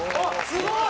すごい。